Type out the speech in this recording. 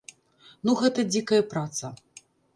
Ну гэта дзікая праца.